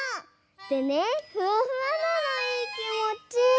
でねふわふわなのいいきもち！